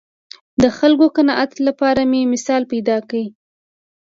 د خلکو قناعت لپاره مې مثال پیدا کړ